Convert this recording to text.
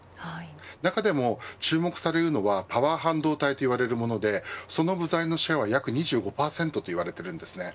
中でも注目されるのはパワー半導体と呼ばれるものでその部材のシェアは約２５％といわれているんですね。